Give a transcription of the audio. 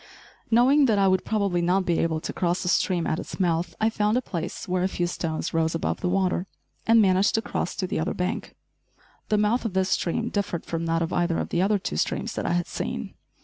Knowing that I would probably not be able to cross the stream at its mouth, I found a place where a few stones rose above the water, and managed to cross to the other bank. The mouth of this stream differed from that of either of the other two streams that I had seen.